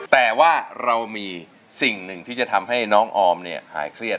แต่เรามีสิ่มหนึ่งที่จะทำให้น้องออมหายเครียด